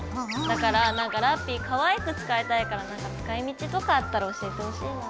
だからラッピィかわいく使いたいからなんか使い道とかあったら教えてほしいな。